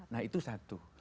nah itu satu